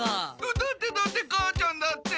だってだって母ちゃんだって。